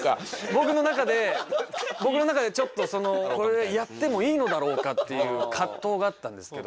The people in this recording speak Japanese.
僕の中で僕の中でちょっとこれやってもいいのだろうかっていう葛藤があったんですけど。